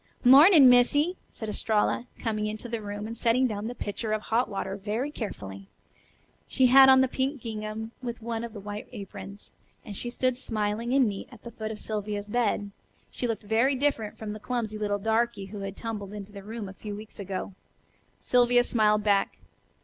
"Mornin', Missy," said Estralla, coming into the room, and setting down the pitcher of hot water very carefully. She had on the pink gingham with one of the white aprons, and as she stood smiling and neat at the foot of Sylvia's bed, she looked very different from the clumsy little darky who had tumbled into the room a few weeks ago. Sylvia smiled back.